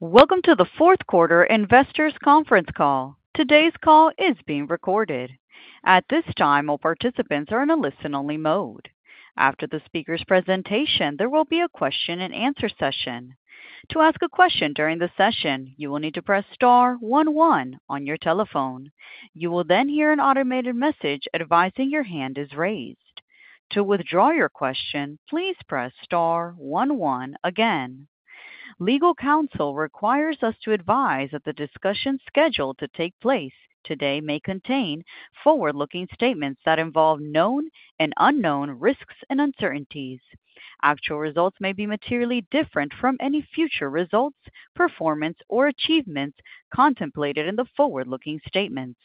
Welcome to the Q4 Investors Conference Call. Today's call is being recorded. At this time, all participants are in a listen-only mode. After the speaker's presentation, there will be a question-and-answer session. To ask a question during the session, you will need to press star 11 on your telephone. You will then hear an automated message advising your hand is raised. To withdraw your question, please press star 11 again. Legal counsel requires us to advise that the discussion scheduled to take place today may contain forward-looking statements that involve known and unknown risks and uncertainties. Actual results may be materially different from any future results, performance, or achievements contemplated in the forward-looking statements.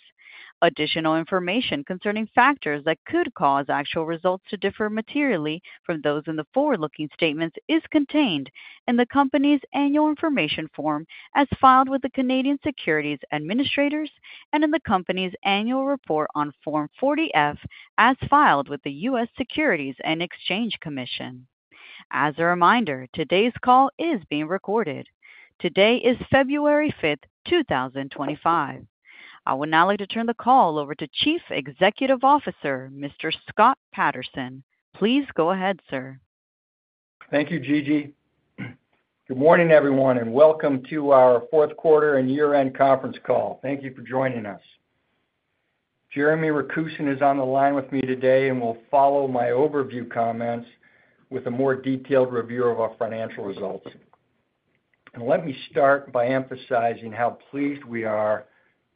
Additional information concerning factors that could cause actual results to differ materially from those in the forward-looking statements is contained in the company's annual information form as filed with the Canadian Securities Administrators and in the company's annual report on Form 40-F as filed with the U.S. Securities and Exchange Commission. As a reminder, today's call is being recorded. Today is February 5th, 2025. I would now like to turn the call over to Chief Executive Officer, Mr. Scott Patterson. Please go ahead, sir. Thank you, Gigi. Good morning, everyone, and welcome to our Q4 and Year-End Conference Call. Thank you for joining us. Jeremy Rakusin is on the line with me today and will follow my overview comments with a more detailed review of our financial results, and let me start by emphasizing how pleased we are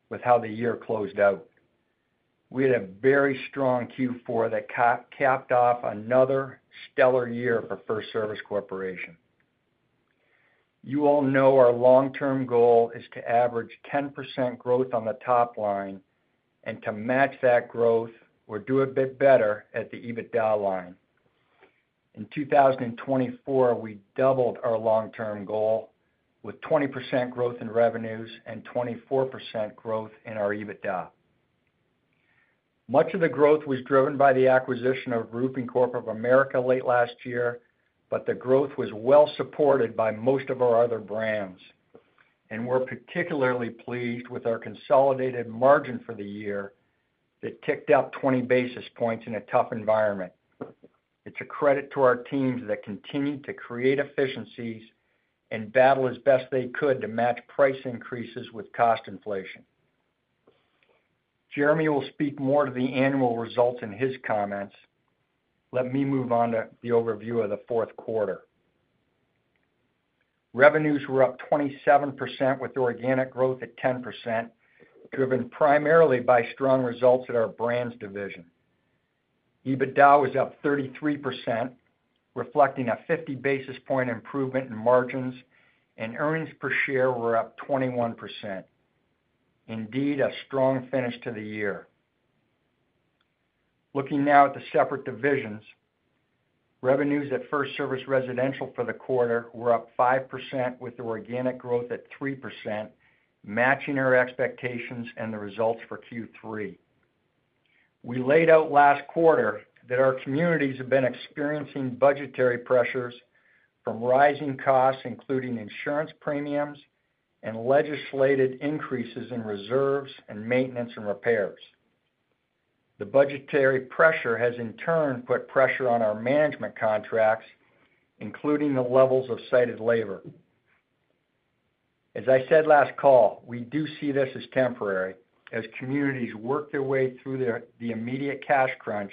with how the year closed out. We had a very strong Q4 that capped off another stellar year for FirstService Corporation. You all know our long-term goal is to average 10% growth on the top line and to match that growth or do a bit better at the EBITDA line. In 2024, we doubled our long-term goal with 20% growth in revenues and 24% growth in our EBITDA. Much of the growth was driven by the acquisition of Roofing Corp of America late last year, but the growth was well-supported by most of our other brands. We're particularly pleased with our consolidated margin for the year that ticked up 20 basis points in a tough environment. It's a credit to our teams that continue to create efficiencies and battle as best they could to match price increases with cost inflation. Jeremy will speak more to the annual results in his comments. Let me move on to the overview of the Q4. Revenues were up 27% with organic growth at 10%, driven primarily by strong results at our brands division. EBITDA was up 33%, reflecting a 50-basis-point improvement in margins, and earnings per share were up 21%. Indeed, a strong finish to the year. Looking now at the separate divisions, revenues at FirstService Residential for the quarter were up 5% with organic growth at 3%, matching our expectations and the results for Q3. We laid out last quarter that our communities have been experiencing budgetary pressures from rising costs, including insurance premiums and legislated increases in reserves and maintenance and repairs. The budgetary pressure has, in turn, put pressure on our management contracts, including the levels of site labor. As I said last call, we do see this as temporary as communities work their way through the immediate cash crunch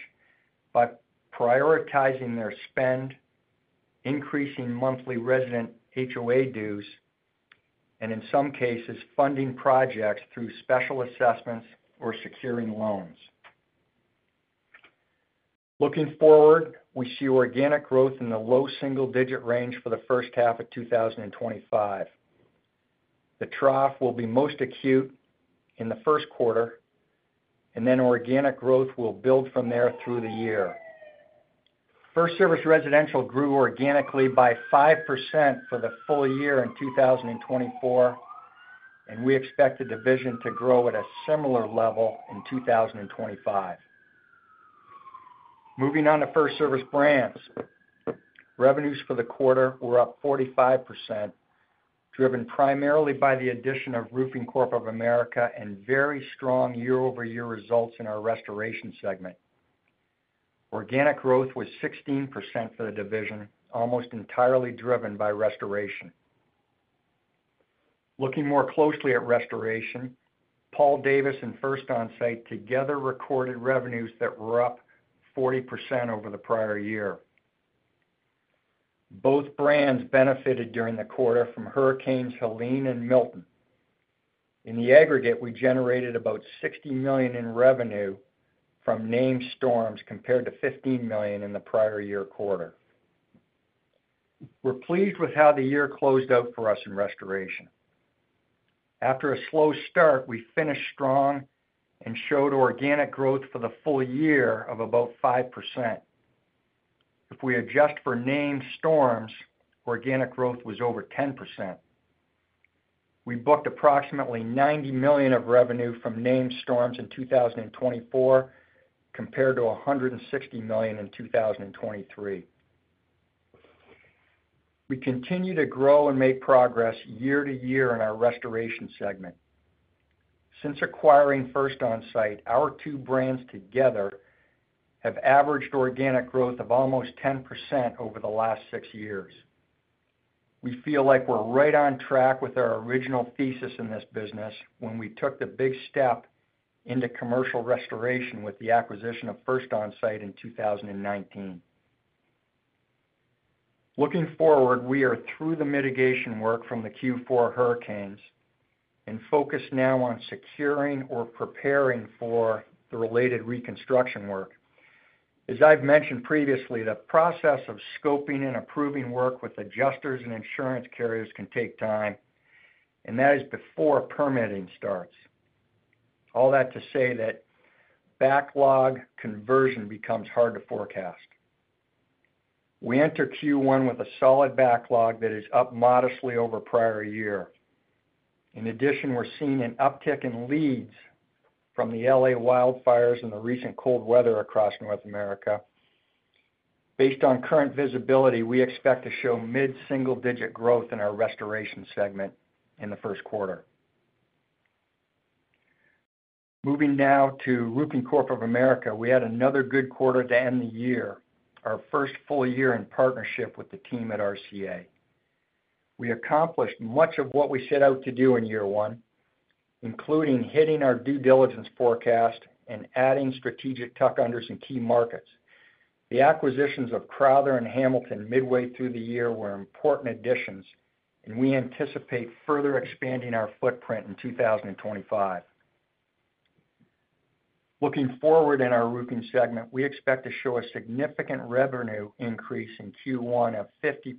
by prioritizing their spend, increasing monthly resident HOA dues, and in some cases, funding projects through special assessments or securing loans. Looking forward, we see organic growth in the low single-digit range for the first half of 2025. The trough will be most acute in the Q1, and then organic growth will build from there through the year. FirstService Residential grew organically by 5% for the full year in 2024, and we expect the division to grow at a similar level in 2025. Moving on to FirstService Brands, revenues for the quarter were up 45%, driven primarily by the addition of Roofing Corp of America and very strong year-over-year results in our restoration segment. Organic growth was 16% for the division, almost entirely driven by restoration. Looking more closely at restoration, Paul Davis and FirstOnsite together recorded revenues that were up 40% over the prior year. Both brands benefited during the quarter from Hurricanes Helene and Milton. In the aggregate, we generated about $60 million in revenue from named storms compared to $15 million in the prior year quarter. We're pleased with how the year closed out for us in restoration. After a slow start, we finished strong and showed organic growth for the full year of about 5%. If we adjust for named storms, organic growth was over 10%. We booked approximately $90 million of revenue from named storms in 2024 compared to $160 million in 2023. We continue to grow and make progress year to year in our restoration segment. Since acquiring FirstOnsite, our two brands together have averaged organic growth of almost 10% over the last six years. We feel like we're right on track with our original thesis in this business when we took the big step into commercial restoration with the acquisition of FirstOnsite in 2019. Looking forward, we are through the mitigation work from the Q4 hurricanes and focused now on securing or preparing for the related reconstruction work. As I've mentioned previously, the process of scoping and approving work with adjusters and insurance carriers can take time, and that is before permitting starts. All that to say that backlog conversion becomes hard to forecast. We enter Q1 with a solid backlog that is up modestly over prior year. In addition, we're seeing an uptick in leads from the L.A. wildfires and the recent cold weather across North America. Based on current visibility, we expect to show mid-single-digit growth in our restoration segment in the Q1. Moving now to Roofing Corp of America, we had another good quarter to end the year, our first full year in partnership with the team at RCA. We accomplished much of what we set out to do in year one, including hitting our due diligence forecast and adding strategic tuck unders in key markets. The acquisitions of Crowther and Hamilton midway through the year were important additions, and we anticipate further expanding our footprint in 2025. Looking forward in our roofing segment, we expect to show a significant revenue increase in Q1 of 50%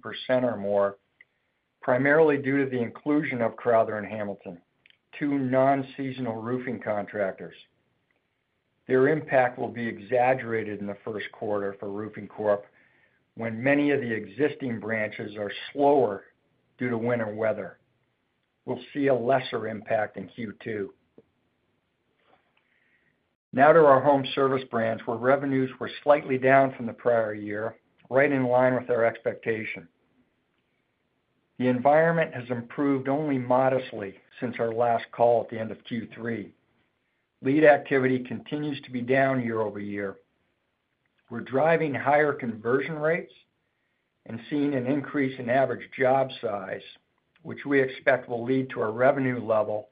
or more, primarily due to the inclusion of Crowther and Hamilton, two non-seasonal roofing contractors. Their impact will be exaggerated in the Q1 for Roofing Corp when many of the existing branches are slower due to winter weather. We'll see a lesser impact in Q2. Now to our Home Service brands, where revenues were slightly down from the prior year, right in line with our expectation. The environment has improved only modestly since our last call at the end of Q3. Lead activity continues to be down year-over-year. We're driving higher conversion rates and seeing an increase in average job size, which we expect will lead to a revenue level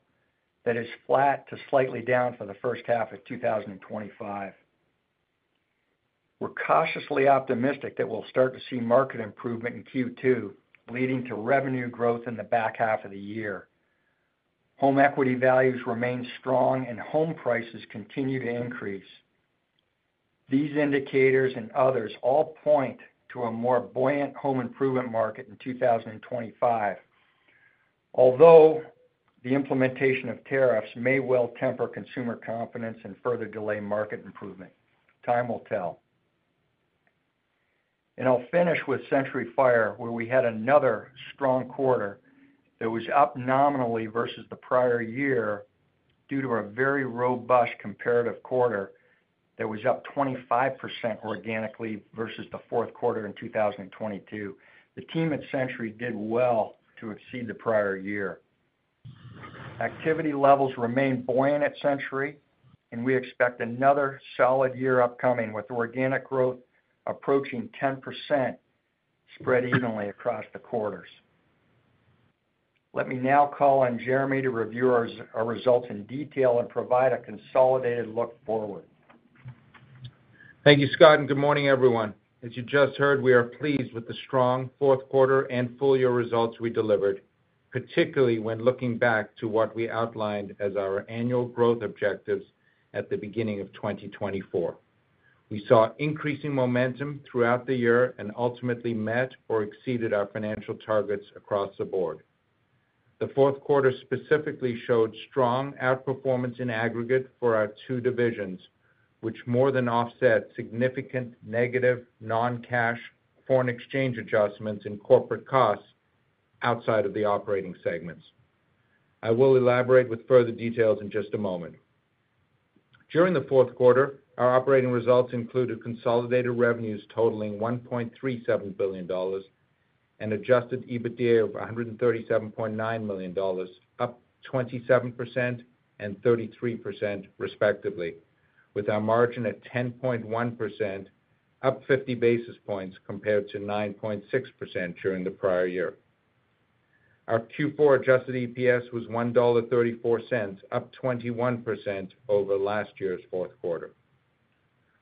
that is flat to slightly down for the first half of 2025. We're cautiously optimistic that we'll start to see market improvement in Q2, leading to revenue growth in the back half of the year. Home equity values remain strong, and home prices continue to increase. These indicators and others all point to a more buoyant home improvement market in 2025, although the implementation of tariffs may well temper consumer confidence and further delay market improvement. Time will tell, and I'll finish with Century Fire, where we had another strong quarter that was up nominally versus the prior year due to a very robust comparative quarter that was up 25% organically versus the Q4 in 2022. The team at Century did well to exceed the prior year. Activity levels remain buoyant at Century, and we expect another solid year upcoming with organic growth approaching 10% spread evenly across the quarters. Let me now call on Jeremy to review our results in detail and provide a consolidated look forward. Thank you, Scott, and good morning, everyone. As you just heard, we are pleased with the strong Q4 and full-year results we delivered, particularly when looking back to what we outlined as our annual growth objectives at the beginning of 2024. We saw increasing momentum throughout the year and ultimately met or exceeded our financial targets across the board. The Q4 specifically showed strong outperformance in aggregate for our two divisions, which more than offset significant negative non-cash foreign exchange adjustments in corporate costs outside of the operating segments. I will elaborate with further details in just a moment. During the Q4, our operating results included consolidated revenues totaling $1.37 billion and Adjusted EBITDA of $137.9 million, up 27% and 33%, respectively, with our margin at 10.1%, up 50 basis points compared to 9.6% during the prior year. Our Q4 adjusted EPS was $1.34, up 21% over last year's Q4.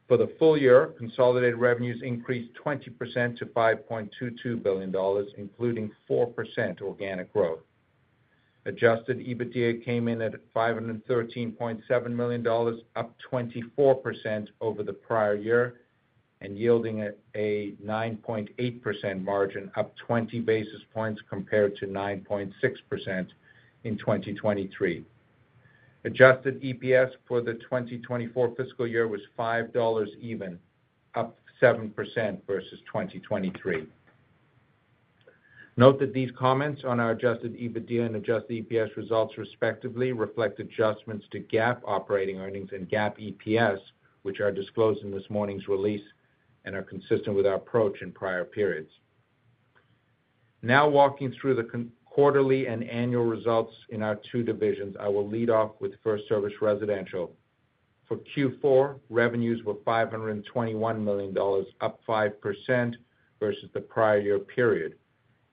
For the full year, consolidated revenues increased 20% to $5.22 billion, including 4% organic growth. Adjusted EBITDA came in at $513.7 million, up 24% over the prior year, and yielding a 9.8% margin, up 20 basis points compared to 9.6% in 2023. Adjusted EPS for the 2024 fiscal year was $5.00 even, up 7% versus 2023. Note that these comments on our adjusted EBITDA and adjusted EPS results, respectively, reflect adjustments to GAAP operating earnings and GAAP EPS, which are disclosed in this morning's release and are consistent with our approach in prior periods. Now walking through the quarterly and annual results in our two divisions, I will lead off with FirstService Residential. For Q4, revenues were $521 million, up 5% versus the prior year period,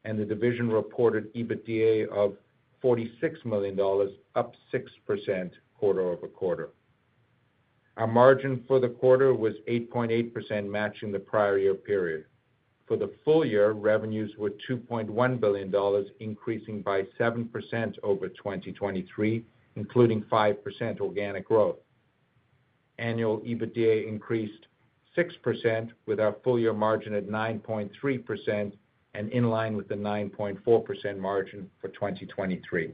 and the division reported EBITDA of $46 million, up 6% quarter-over-quarter. Our margin for the quarter was 8.8%, matching the prior year period. For the full year, revenues were $2.1 billion, increasing by 7% over 2023, including 5% organic growth. Annual EBITDA increased 6% with our full-year margin at 9.3% and in line with the 9.4% margin for 2023.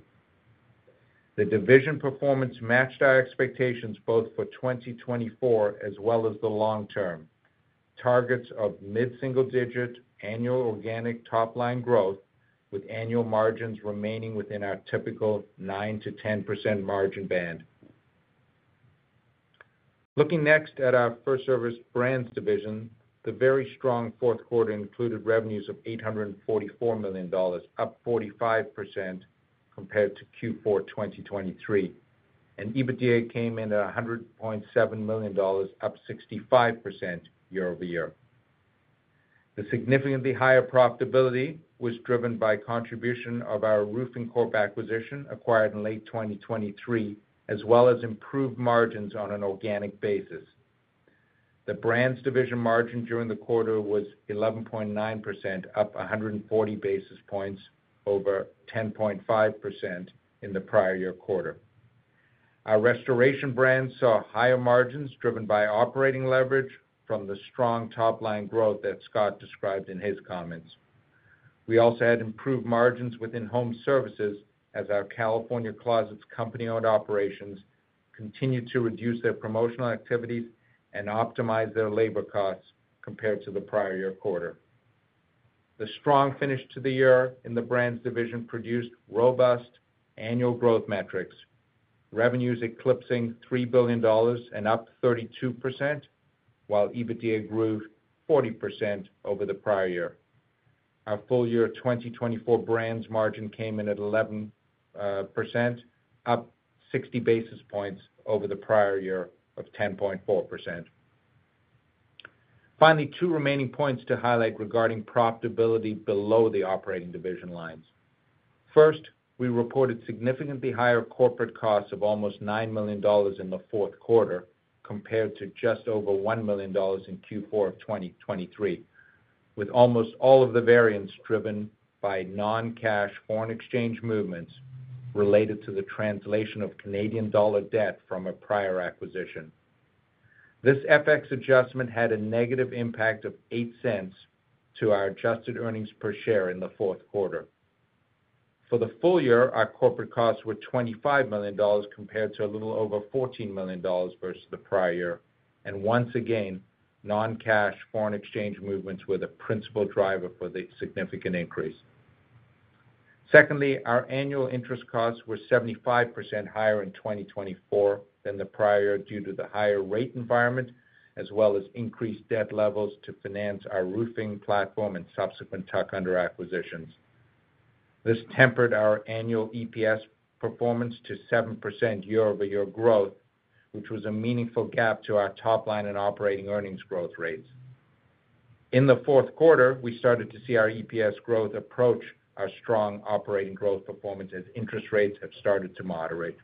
The division performance matched our expectations both for 2024 as well as the long-term targets of mid-single-digit annual organic top-line growth, with annual margins remaining within our typical 9% to 10% margin band. Looking next at our FirstService Brands division, the very strong Q4 included revenues of $844 million, up 45% compared to Q4 2023, and EBITDA came in at $100.7 million, up 65% year-over-year. The significantly higher profitability was driven by contribution of our Roofing Corp acquisition acquired in late 2023, as well as improved margins on an organic basis. The brands division margin during the quarter was 11.9%, up 140 basis points over 10.5% in the prior year quarter. Our restoration brands saw higher margins driven by operating leverage from the strong top-line growth that Scott described in his comments. We also had improved margins within Home Services as our California Closets company-owned operations continued to reduce their promotional activities and optimize their labor costs compared to the prior year quarter. The strong finish to the year in the brands division produced robust annual growth metrics, revenues eclipsing $3 billion and up 32%, while EBITDA grew 40% over the prior year. Our full-year 2024 brands margin came in at 11%, up 60 basis points over the prior year of 10.4%. Finally, two remaining points to highlight regarding profitability below the operating division lines. First, we reported significantly higher corporate costs of almost $9 million in the Q4 compared to just over $1 million in Q4 of 2023, with almost all of the variance driven by non-cash foreign exchange movements related to the translation of Canadian dollar debt from a prior acquisition. This FX adjustment had a negative impact of $0.08 to our adjusted earnings per share in the Q4. For the full year, our corporate costs were $25 million compared to a little over $14 million versus the prior year, and once again, non-cash foreign exchange movements were the principal driver for the significant increase. Secondly, our annual interest costs were 75% higher in 2024 than the prior year due to the higher rate environment, as well as increased debt levels to finance our roofing platform and subsequent tuck-under acquisitions. This tempered our annual EPS performance to 7% year-over-year growth, which was a meaningful gap to our top-line and operating earnings growth rates. In the Q4, we started to see our EPS growth approach our strong operating growth performance as interest rates have started to moderate.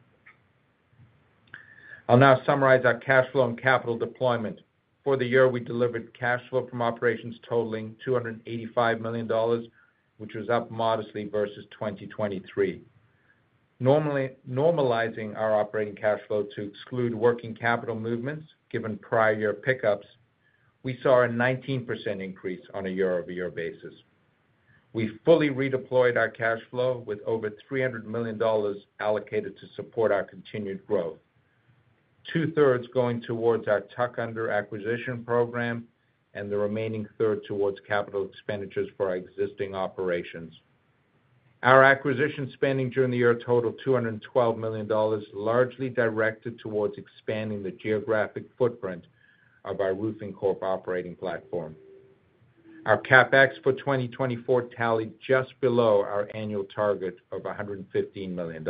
I'll now summarize our cash flow and capital deployment. For the year, we delivered cash flow from operations totaling $285 million, which was up modestly versus 2023. Normalizing our operating cash flow to exclude working capital movements given prior year pickups, we saw a 19% increase on a year-over-year basis. We fully redeployed our cash flow with over $300 million allocated to support our continued growth 2/3 going towards our tuck-under acquisition program and the remaining 1/3 towards capital expenditures for our existing operations. Our acquisition spending during the year totaled $212 million, largely directed towards expanding the geographic footprint of our Roofing Corp operating platform. Our CapEx for 2024 tallied just below our annual target of $115 million.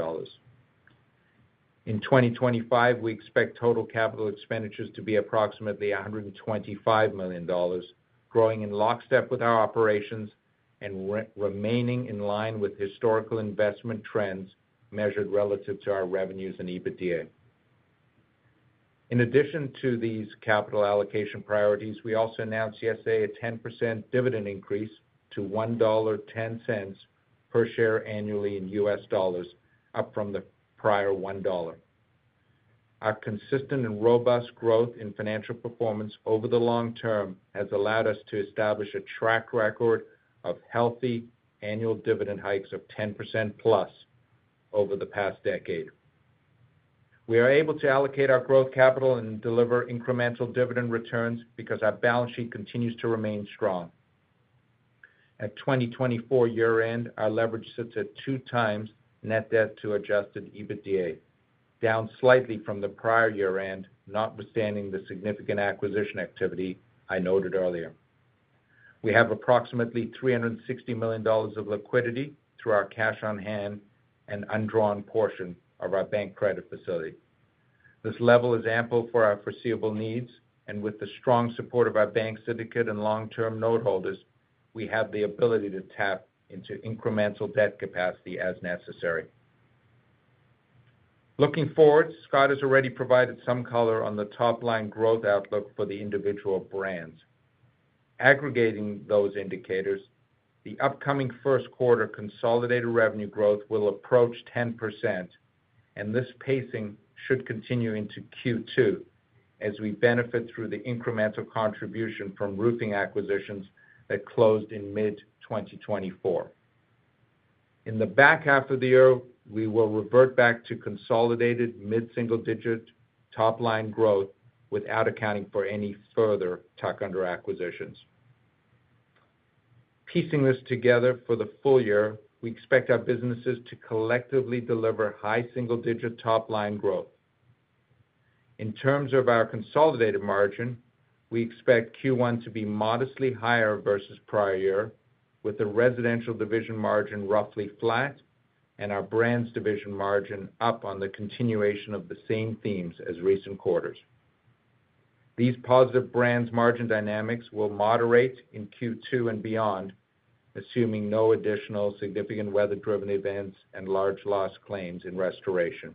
In 2025, we expect total capital expenditures to be approximately $125 million, growing in lockstep with our operations and remaining in line with historical investment trends measured relative to our revenues and EBITDA. In addition to these capital allocation priorities, we also announced yesterday a 10% dividend increase to $1.10 per share annually in U.S. dollars, up from the prior $1.00. Our consistent and robust growth in financial performance over the long term has allowed us to establish a track record of healthy annual dividend hikes of 10% plus over the past decade. We are able to allocate our growth capital and deliver incremental dividend returns because our balance sheet continues to remain strong. At 2024 year-end, our leverage sits at two times net debt to adjusted EBITDA, down slightly from the prior year-end, notwithstanding the significant acquisition activity I noted earlier. We have approximately $360 million of liquidity through our cash on hand and undrawn portion of our bank credit facility. This level is ample for our foreseeable needs, and with the strong support of our bank syndicate and long-term noteholders, we have the ability to tap into incremental debt capacity as necessary. Looking forward, Scott has already provided some color on the top-line growth outlook for the individual brands. Aggregating those indicators, the upcoming Q1 consolidated revenue growth will approach 10%, and this pacing should continue into Q2 as we benefit through the incremental contribution from roofing acquisitions that closed in mid-2024. In the back half of the year, we will revert back to consolidated mid-single-digit top-line growth without accounting for any further tuck-under acquisitions. Piecing this together for the full year, we expect our businesses to collectively deliver high-single-digit top-line growth. In terms of our consolidated margin, we expect Q1 to be modestly higher versus prior year, with the residential division margin roughly flat and our brands division margin up on the continuation of the same themes as recent quarters. These positive brands margin dynamics will moderate in Q2 and beyond, assuming no additional significant weather-driven events and large loss claims in restoration.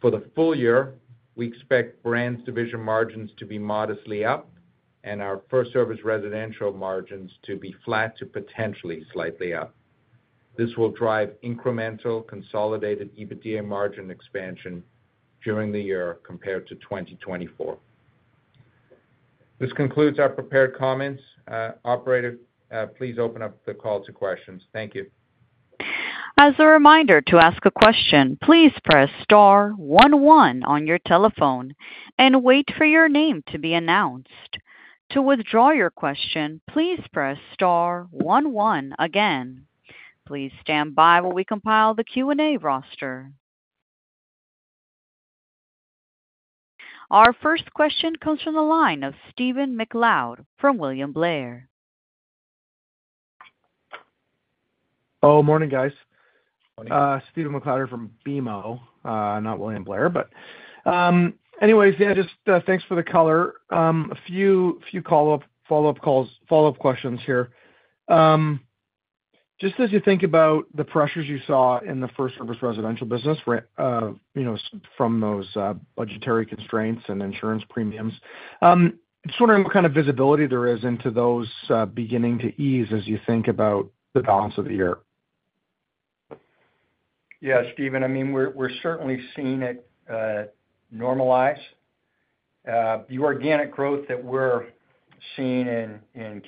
For the full year, we expect brands division margins to be modestly up and our FirstService Residential margins to be flat to potentially slightly up. This will drive incremental consolidated EBITDA margin expansion during the year compared to 2024. This concludes our prepared comments. Operator, please open up the call to questions. Thank you. As a reminder to ask a question, please press star 11 on your telephone and wait for your name to be announced. To withdraw your question, please press star 11 again. Please stand by while we compile the Q&A roster. Our first question comes from the line of Stephen MacLeod from William Blair. Oh, morning, guys. Stephen MacLeod here from BMO, not William Blair, but anyways, yeah, just thanks for the color. A few follow-up questions here. Just as you think about the pressures you saw in the FirstService Residential business from those budgetary constraints and insurance premiums, just wondering what kind of visibility there is into those beginning to ease as you think about the balance of the year. Yeah, Stephen, I mean, we're certainly seeing it normalize. The organic growth that we're seeing in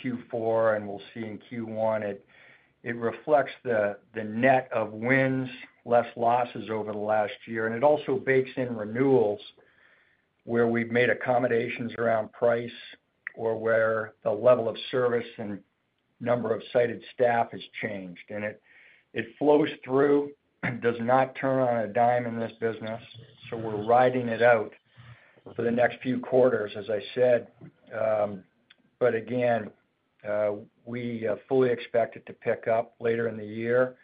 Q4 and we'll see in Q1, it reflects the net of wins, less losses over the last year. And it also bakes in renewals where we've made accommodations around price or where the level of service and number of sighted staff has changed. And it flows through, does not turn on a dime in this business. So we're riding it out for the next few quarters, as I said. But again, we fully expect it to pick up later in the year.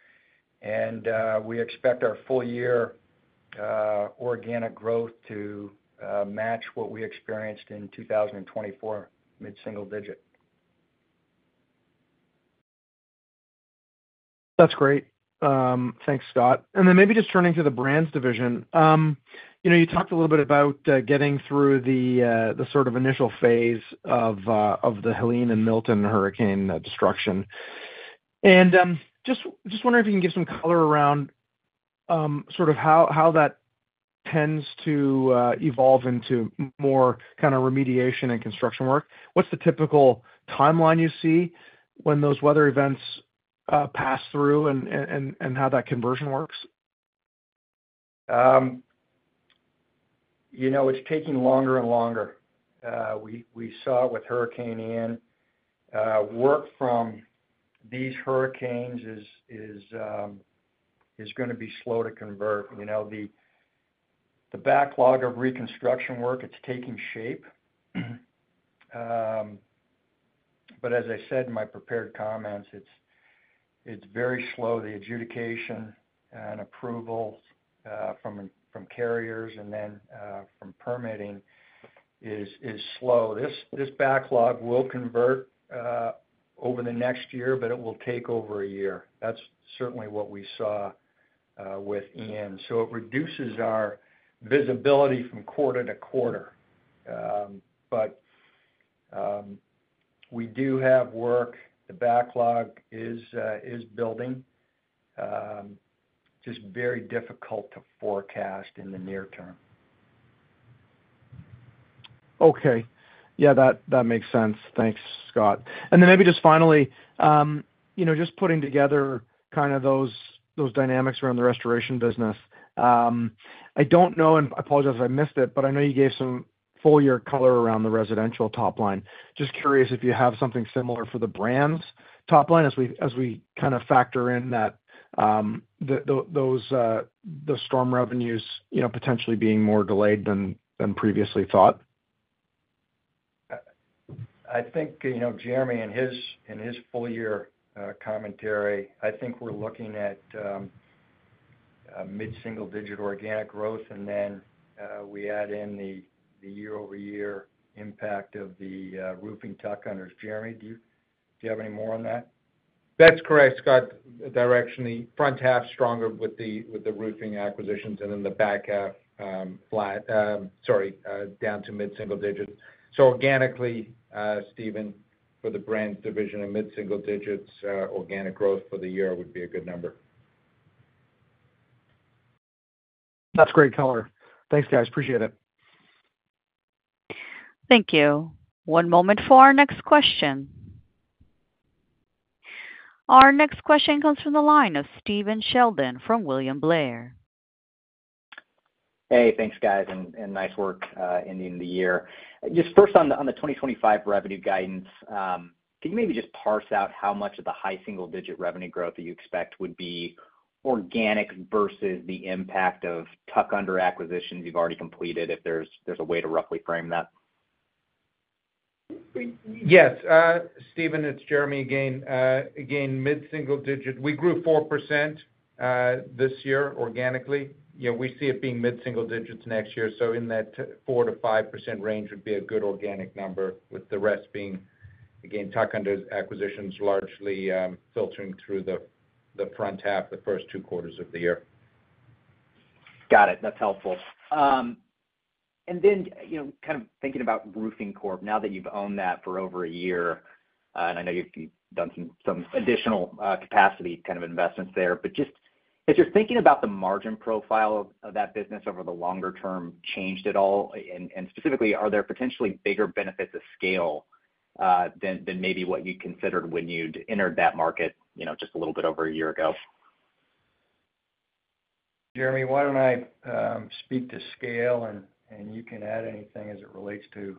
And we expect our full-year organic growth to match what we experienced in 2024, mid-single digit. That's great. Thanks, Scott. And then maybe just turning to the brands division, you talked a little bit about getting through the sort of initial phase of the Helene and Milton hurricane destruction. And just wondering if you can give some color around sort of how that tends to evolve into more kind of remediation and construction work. What's the typical timeline you see when those weather events pass through and how that conversion works? It's taking longer and longer. We saw with Hurricane Ian, work from these hurricanes is going to be slow to convert. The backlog of reconstruction work, it's taking shape. But as I said in my prepared comments, it's very slow. The adjudication and approval from carriers and then from permitting is slow. This backlog will convert over the next year, but it will take over a year. That's certainly what we saw with Ian. So it reduces our visibility from quarter to quarter. But we do have work. The backlog is building. Just very difficult to forecast in the near term. Okay. Yeah, that makes sense. Thanks, Scott. And then maybe just finally, just putting together kind of those dynamics around the restoration business, I don't know, and I apologize if I missed it, but I know you gave some full-year color around the residential top line. Just curious if you have something similar for the brands top line as we kind of factor in those storm revenues potentially being more delayed than previously thought. I think Jeremy in his full-year commentary, I think we're looking at mid-single digit organic growth, and then we add in the year-over-year impact of the roofing tuck unders. Jeremy, do you have any more on that? That's correct, Scott. Directionally, the front half stronger with the roofing acquisitions and then the back half flat, sorry, down to mid-single digits. So organically, Stephen, for the brands division and mid-single digits, organic growth for the year would be a good number. That's great color. Thanks, guys. Appreciate it. Thank you. One moment for our next question. Our next question comes from the line of Stephen Sheldon from William Blair. Hey, thanks, guys, and nice work ending the year. Just first, on the 2025 revenue guidance, can you maybe just parse out how much of the high single-digit revenue growth that you expect would be organic versus the impact of tuck under acquisitions you've already completed, if there's a way to roughly frame that? Yes. Stephen, it's Jeremy again. Again, mid-single-digit, we grew 4% this year organically. We see it being mid-single-digits next year. So in that 4% to 5% range would be a good organic number, with the rest being, again, tuck-under acquisitions largely filtering through the front half, the first two quarters of the year. Got it. That's helpful. And then kind of thinking about Roofing Corp, now that you've owned that for over a year, and I know you've done some additional capacity kind of investments there. But just as you're thinking about the margin profile of that business over the longer term, changed at all? And specifically, are there potentially bigger benefits of scale than maybe what you considered when you'd entered that market just a little bit over a year ago? Jeremy, why don't I speak to scale, and you can add anything as it relates to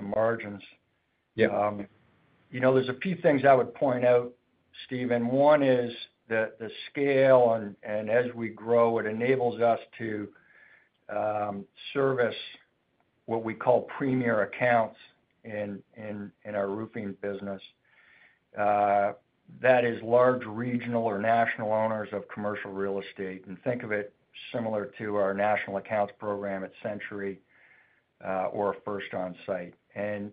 margins? Yeah. There's a few things I would point out, Stephen. One is the scale, and as we grow, it enables us to service what we call premier accounts in our roofing business. That is large regional or national owners of commercial real estate and think of it similar to our national accounts program at Century or FirstOnsite, and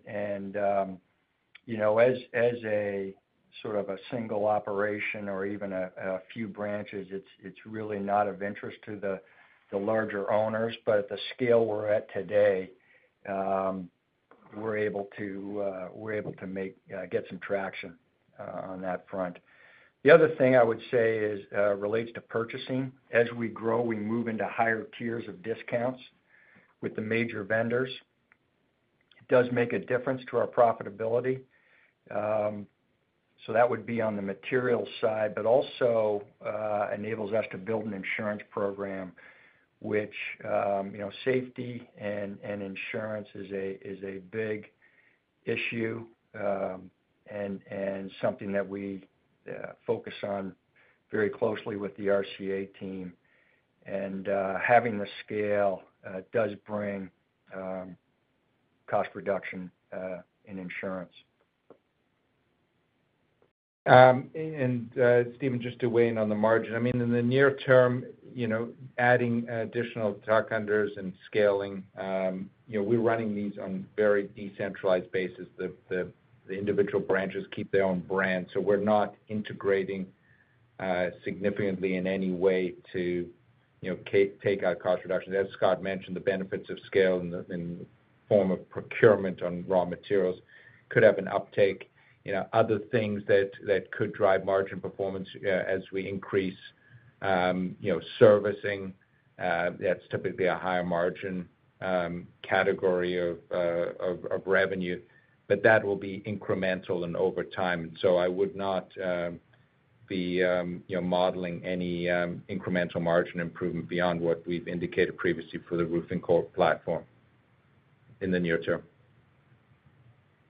as a sort of a single operation or even a few branches, it's really not of interest to the larger owners, but at the scale we're at today, we're able to get some traction on that front. The other thing I would say relates to purchasing. As we grow, we move into higher tiers of discounts with the major vendors. It does make a difference to our profitability. That would be on the materials side, but also enables us to build an insurance program, which safety and insurance is a big issue and something that we focus on very closely with the RCA team. Having the scale does bring cost reduction in insurance. Stephen, just to weigh in on the margin, I mean, in the near term, adding additional tuck-unders and scaling, we're running these on very decentralized basis. The individual branches keep their own brand. We're not integrating significantly in any way to take our cost reduction. As Scott mentioned, the benefits of scale in the form of procurement on raw materials could have an uptake. Other things that could drive margin performance as we increase servicing, that's typically a higher margin category of revenue. That will be incremental and over time. I would not be modeling any incremental margin improvement beyond what we've indicated previously for the Roofing Corp platform in the near term.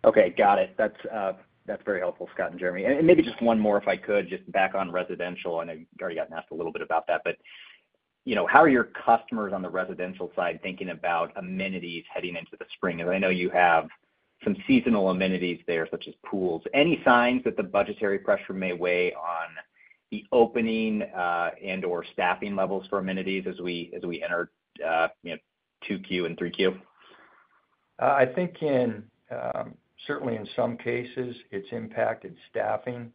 Okay. Got it. That's very helpful, Scott and Jeremy, and maybe just one more, if I could, just back on residential. I know you've already gotten asked a little bit about that, but how are your customers on the residential side thinking about amenities heading into the spring? And I know you have some seasonal amenities there, such as pools. Any signs that the budgetary pressure may weigh on the opening and/or staffing levels for amenities as we enter Q2 and Q3? I think certainly in some cases, it's impacted staffing.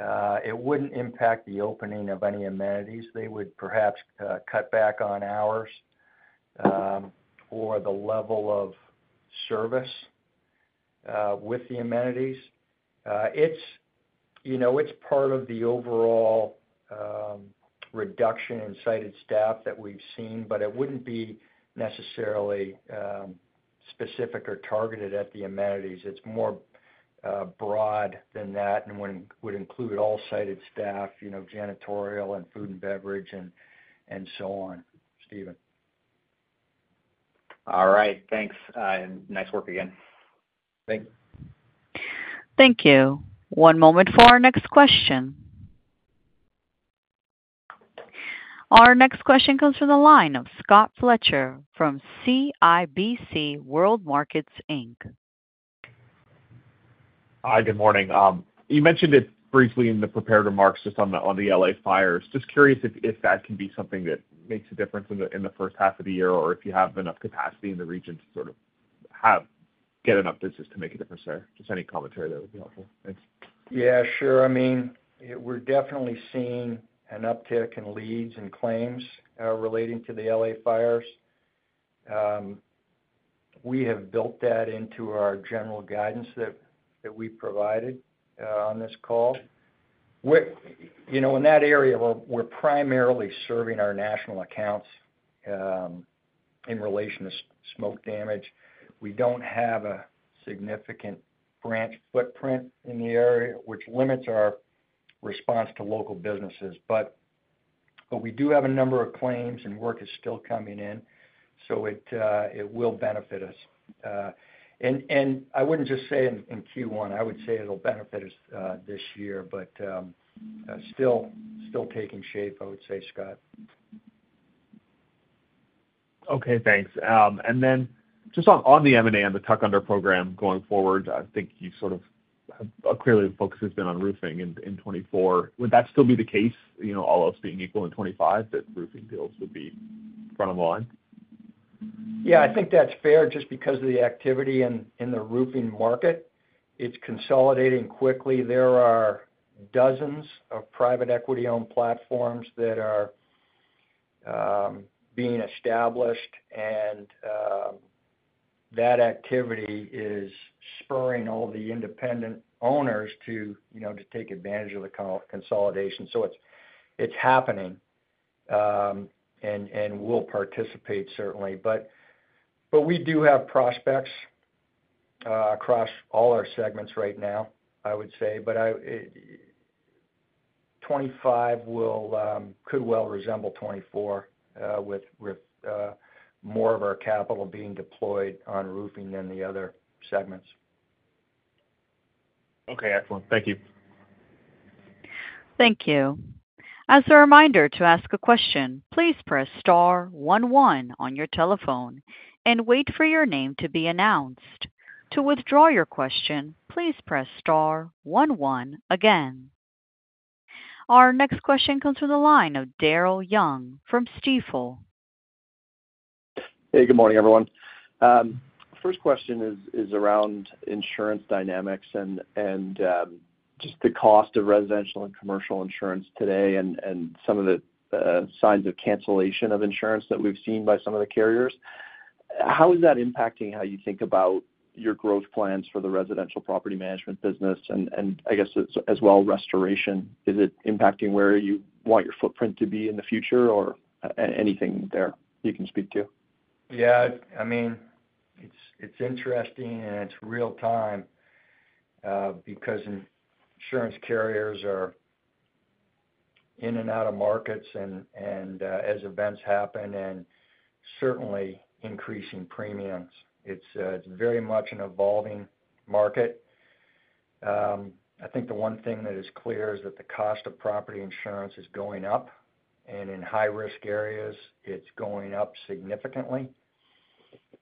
It wouldn't impact the opening of any amenities. They would perhaps cut back on hours or the level of service with the amenities. It's part of the overall reduction in site staff that we've seen, but it wouldn't be necessarily specific or targeted at the amenities. It's more broad than that and would include all site staff, janitorial and food and beverage, and so on, Stephen. All right. Thanks, and nice work again. Thank you. Thank you. One moment for our next question. Our next question comes from the line of Scott Fletcher from CIBC World Markets Inc. Hi, good morning. You mentioned it briefly in the prepared remarks just on the L.A. fires. Just curious if that can be something that makes a difference in the first half of the year or if you have enough capacity in the region to sort of get enough business to make a difference there. Just any commentary that would be helpful. Yeah, sure. I mean, we're definitely seeing an uptick in leads and claims relating to the L.A. fires. We have built that into our general guidance that we provided on this call. In that area, we're primarily serving our national accounts in relation to smoke damage. We don't have a significant branch footprint in the area, which limits our response to local businesses. But we do have a number of claims, and work is still coming in. So it will benefit us. And I wouldn't just say in Q1. I would say it'll benefit us this year, but still taking shape, I would say, Scott. Okay. Thanks, and then just on the M&A and the tuck under program going forward, I think you sort of clearly focus has been on roofing in 2024. Would that still be the case, all else being equal in 2025, that roofing deals would be front of the line? Yeah, I think that's fair just because of the activity in the roofing market. It's consolidating quickly. There are dozens of private equity-owned platforms that are being established, and that activity is spurring all the independent owners to take advantage of the consolidation. So it's happening, and we'll participate certainly. But we do have prospects across all our segments right now, I would say. But 2025 could well resemble 2024 with more of our capital being deployed on roofing than the other segments. Okay. Excellent. Thank you. Thank you. As a reminder to ask a question, please press star 11 on your telephone and wait for your name to be announced. To withdraw your question, please press star 11 again. Our next question comes from the line of Daryl Young from Stifel. Hey, good morning, everyone. First question is around insurance dynamics and just the cost of residential and commercial insurance today and some of the signs of cancellation of insurance that we've seen by some of the carriers. How is that impacting how you think about your growth plans for the residential property management business? And I guess as well, restoration, is it impacting where you want your footprint to be in the future or anything there you can speak to? Yeah. I mean, it's interesting, and it's real-time because insurance carriers are in and out of markets and as events happen and certainly increasing premiums. It's very much an evolving market. I think the one thing that is clear is that the cost of property insurance is going up, and in high-risk areas, it's going up significantly.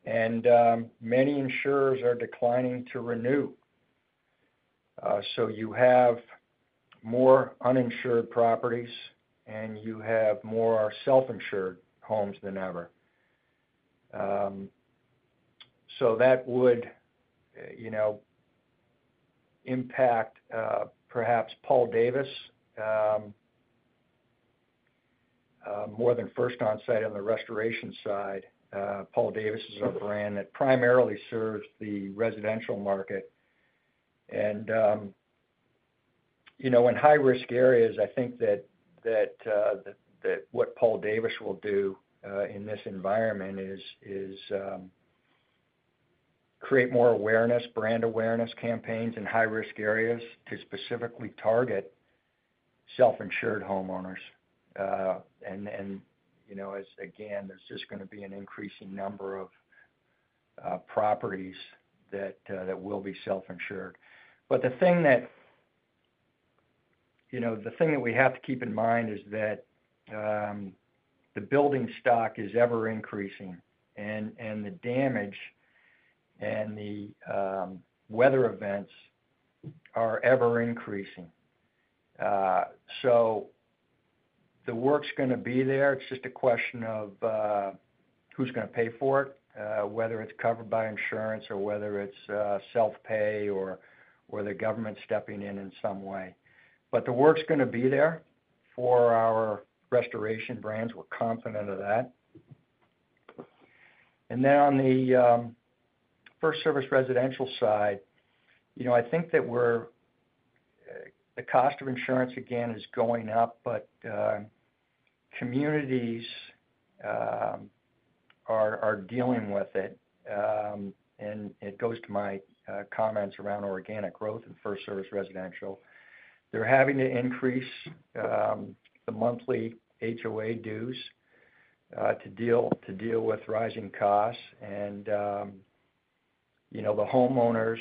And many insurers are declining to renew. So you have more uninsured properties, and you have more self-insured homes than ever. So that would impact perhaps Paul Davis more than First On Site on the restoration side. Paul Davis is a brand that primarily serves the residential market. And in high-risk areas, I think that what Paul Davis will do in this environment is create more awareness, brand awareness campaigns in high-risk areas to specifically target self-insured homeowners. And again, there's just going to be an increasing number of properties that will be self-insured. But the thing that we have to keep in mind is that the building stock is ever-increasing, and the damage and the weather events are ever-increasing. So the work's going to be there. It's just a question of who's going to pay for it, whether it's covered by insurance or whether it's self-pay or the government stepping in in some way. But the work's going to be there for our restoration brands. We're confident of that. And then on the FirstService Residential side, I think that the cost of insurance, again, is going up, but communities are dealing with it. And it goes to my comments around organic growth and FirstService Residential. They're having to increase the monthly HOA dues to deal with rising costs. And the homeowners,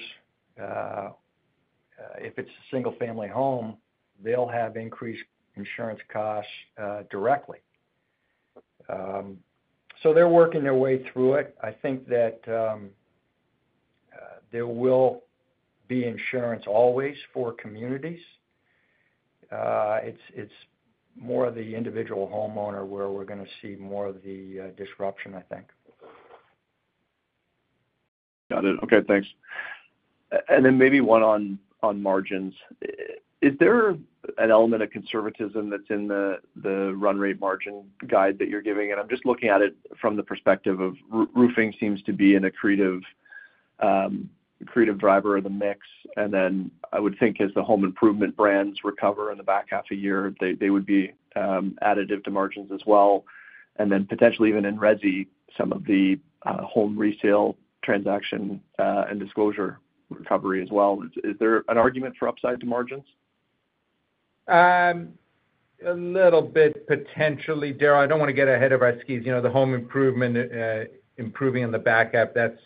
if it's a single-family home, they'll have increased insurance costs directly. So they're working their way through it. I think that there will be insurance always for communities. It's more of the individual homeowner where we're going to see more of the disruption, I think. Got it. Okay. Thanks. And then maybe one on margins. Is there an element of conservatism that's in the run rate margin guide that you're giving? And I'm just looking at it from the perspective of roofing seems to be a key driver of the mix. And then I would think as the home improvement brands recover in the back half of the year, they would be additive to margins as well. And then potentially even in resi, some of the home resale transaction and disclosure recovery as well. Is there an argument for upside to margins? A little bit potentially. Daryl, I don't want to get ahead of our skis. The home improvement improving in the back half, that's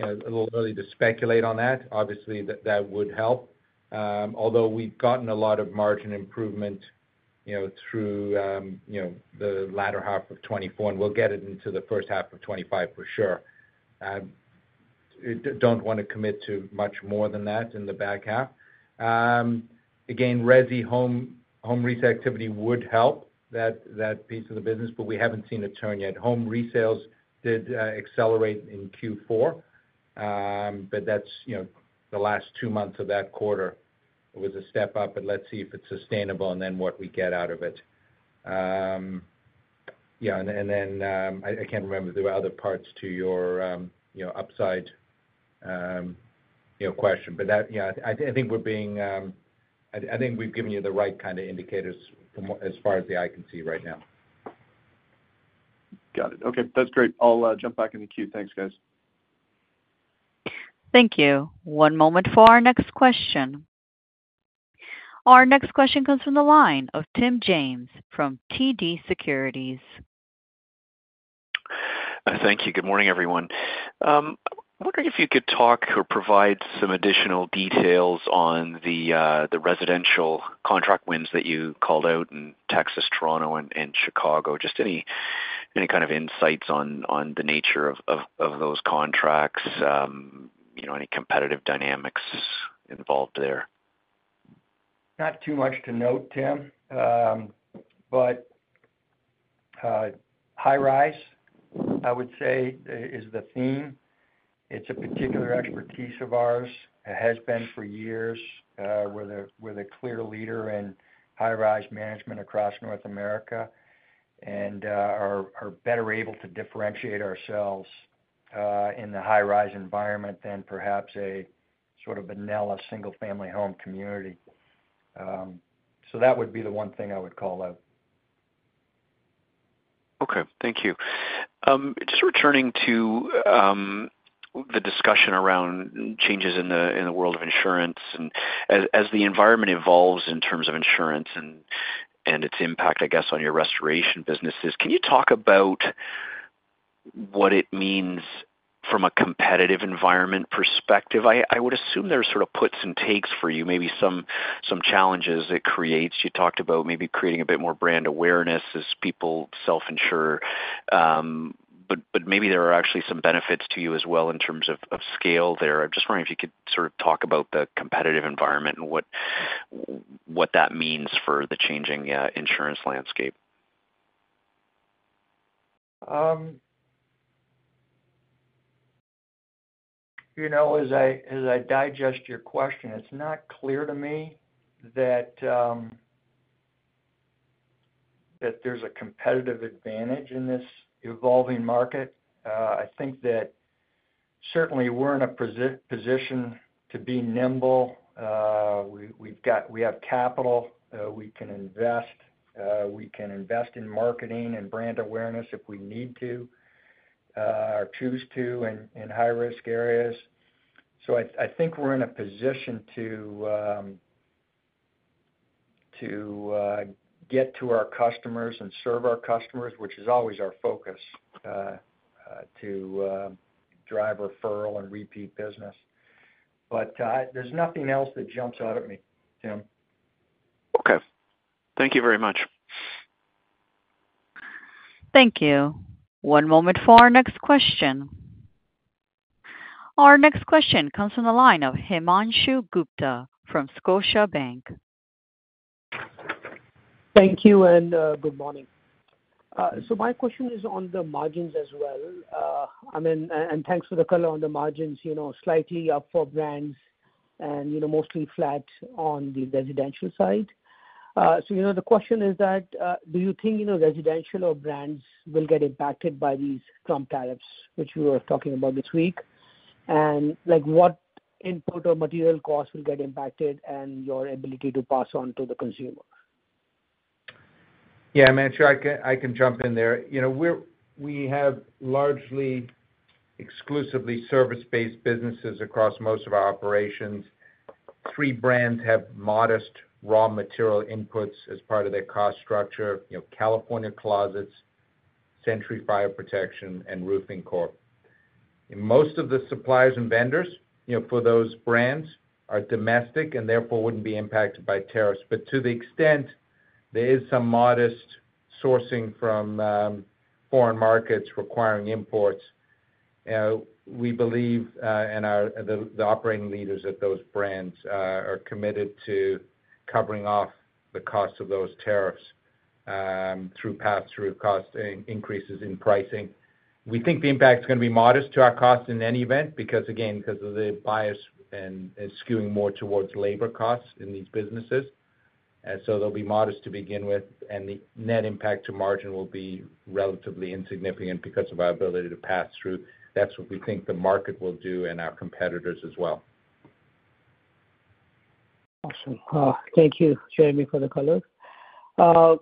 a little early to speculate on that. Obviously, that would help. Although we've gotten a lot of margin improvement through the latter half of 2024, and we'll get it into the first half of 2025 for sure. Don't want to commit to much more than that in the back half. Again, REZI home resale activity would help that piece of the business, but we haven't seen a turn yet. Home resales did accelerate in Q4, but that's the last two months of that quarter. It was a step up, but let's see if it's sustainable and then what we get out of it. Yeah. And then I can't remember if there were other parts to your upside question, but yeah, I think we've given you the right kind of indicators as far as the eye can see right now. Got it. Okay. That's great. I'll jump back in the queue. Thanks, guys. Thank you. One moment for our next question. Our next question comes from the line of Tim James from TD Securities. Thank you. Good morning, everyone. I'm wondering if you could talk or provide some additional details on the residential contract wins that you called out in Texas, Toronto, and Chicago. Just any kind of insights on the nature of those contracts, any competitive dynamics involved there? Not too much to note, Tim, but high-rise, I would say, is the theme. It's a particular expertise of ours. It has been for years. We're the clear leader in high-rise management across North America and are better able to differentiate ourselves in the high-rise environment than perhaps a sort of vanilla single-family home community. So that would be the one thing I would call out. Okay. Thank you. Just returning to the discussion around changes in the world of insurance, and as the environment evolves in terms of insurance and its impact, I guess, on your restoration businesses, can you talk about what it means from a competitive environment perspective? I would assume there are sort of puts and takes for you, maybe some challenges it creates. You talked about maybe creating a bit more brand awareness as people self-insure, but maybe there are actually some benefits to you as well in terms of scale there. I'm just wondering if you could sort of talk about the competitive environment and what that means for the changing insurance landscape. As I digest your question, it's not clear to me that there's a competitive advantage in this evolving market. I think that certainly we're in a position to be nimble. We have capital. We can invest. We can invest in marketing and brand awareness if we need to or choose to in high-risk areas. So I think we're in a position to get to our customers and serve our customers, which is always our focus, to drive referral and repeat business. But there's nothing else that jumps out at me, Tim. Okay. Thank you very much. Thank you. One moment for our next question. Our next question comes from the line of Himanshu Gupta from Scotiabank. Thank you and good morning. So my question is on the margins as well. And thanks for the color on the margins, slightly up for brands and mostly flat on the residential side. So the question is that do you think residential or brands will get impacted by these Trump tariffs, which we were talking about this week? And what input or material costs will get impacted and your ability to pass on to the consumer? Yeah. I mean, sure, I can jump in there. We have largely exclusively service-based businesses across most of our operations. Three brands have modest raw material inputs as part of their cost structure: California Closets, Century Fire Protection, and Roofing Corp. Most of the suppliers and vendors for those brands are domestic and therefore wouldn't be impacted by tariffs. But to the extent there is some modest sourcing from foreign markets requiring imports, we believe the operating leaders at those brands are committed to covering off the cost of those tariffs through pass-through cost increases in pricing. We think the impact is going to be modest to our cost in any event because, again, because of the bias and skewing more towards labor costs in these businesses. They'll be modest to begin with, and the net impact to margin will be relatively insignificant because of our ability to pass through. That's what we think the market will do and our competitors as well. Awesome. Thank you, Jeremy, for the colors.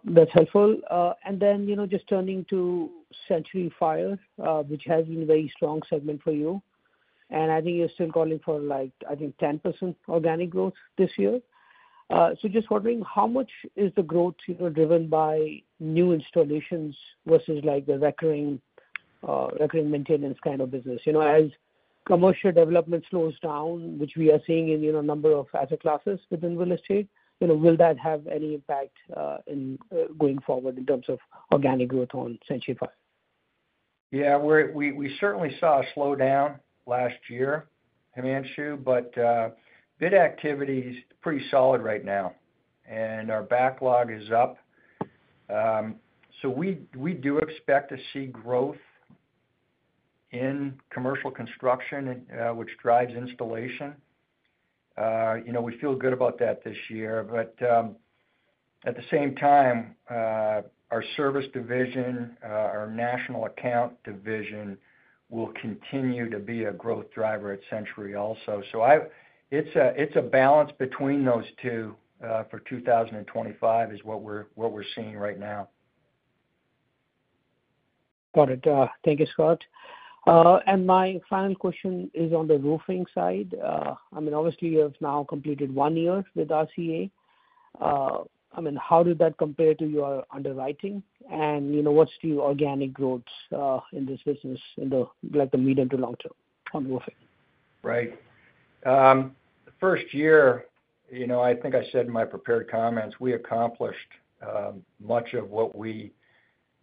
That's helpful. And then just turning to Century Fire, which has been a very strong segment for you. And I think you're still calling for, I think, 10% organic growth this year. So just wondering how much is the growth driven by new installations versus the recurring maintenance kind of business? As commercial development slows down, which we are seeing in a number of asset classes within real estate, will that have any impact in going forward in terms of organic growth on Century Fire? Yeah. We certainly saw a slowdown last year, Himanshu, but bid activity is pretty solid right now, and our backlog is up. So we do expect to see growth in commercial construction, which drives installation. We feel good about that this year. But at the same time, our service division, our national account division will continue to be a growth driver at Century also. So it's a balance between those two for 2025 is what we're seeing right now. Got it. Thank you, Scott. And my final question is on the roofing side. I mean, obviously, you have now completed one year with RCA. I mean, how did that compare to your underwriting? And what's the organic growth in this business in the medium to long term on roofing? Right. The first year, I think I said in my prepared comments, we accomplished much of what we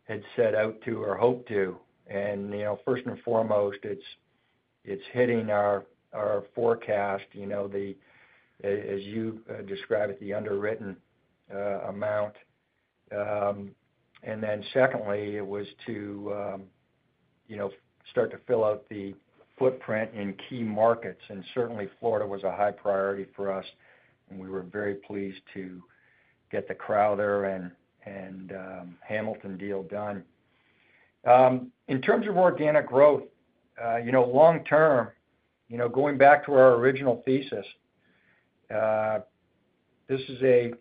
had set out to or hoped to, and first and foremost, it's hitting our forecast, as you describe it, the underwritten amount, and then secondly, it was to start to fill out the footprint in key markets, and certainly, Florida was a high priority for us, and we were very pleased to get the Crowther and Hamilton deal done. In terms of organic growth, long-term, going back to our original thesis, this is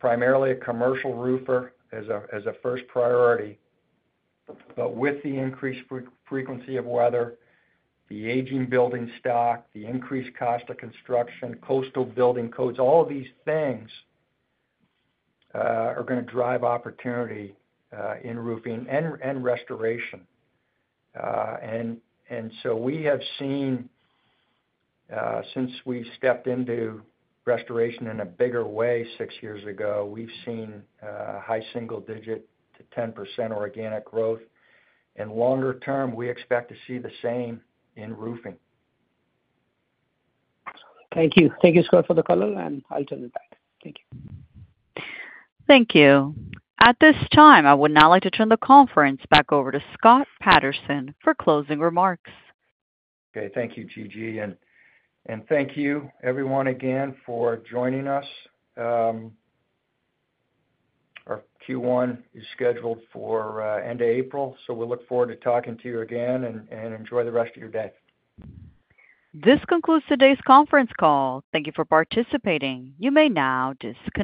primarily a commercial roofer as a first priority, but with the increased frequency of weather, the aging building stock, the increased cost of construction, coastal building codes, all of these things are going to drive opportunity in roofing and restoration. And so we have seen, since we stepped into restoration in a bigger way six years ago, we've seen high single-digit to 10% organic growth. And longer term, we expect to see the same in roofing. Thank you. Thank you, Scott, for the color, and I'll turn it back. Thank you. Thank you. At this time, I would now like to turn the conference back over to Scott Patterson for closing remarks. Okay. Thank you, Gigi. And thank you, everyone, again, for joining us. Our Q1 is scheduled for end of April, so we look forward to talking to you again and enjoy the rest of your day. This concludes today's conference call. Thank you for participating. You may now disconnect.